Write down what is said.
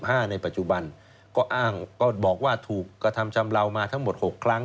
อายุ๑๕ในปัจจุบันก็บอกว่าถูกกระทำชำลาวมาทั้งหมด๖ครั้ง